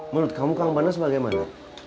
menurut kamu kang panas bagaimana